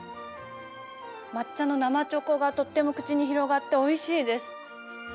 抹茶の生チョコがとっても口に広がっておいしいです。